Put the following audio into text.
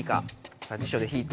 さあ辞書で引いて。